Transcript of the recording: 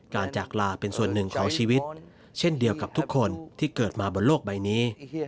จากลาเป็นส่วนหนึ่งของชีวิตเช่นเดียวกับทุกคนที่เกิดมาบนโลกใบนี้